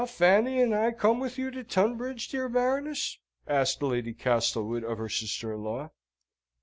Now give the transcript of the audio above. "Shall Fanny and I come with you to Tunbridge, dear Baroness?" asked Lady Castlewood of her sister in law.